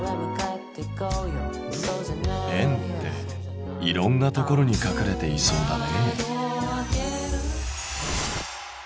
円っていろんなところに隠れていそうだね。